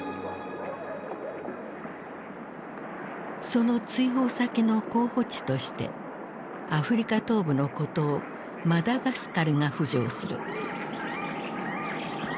その追放先の候補地としてアフリカ東部の孤島マダガスカルが浮上する。